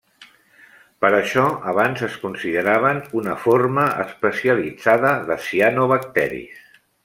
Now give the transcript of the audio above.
Per això, abans es consideraven una forma especialitzada de cianobacteris.